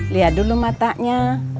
lihat dulu matanya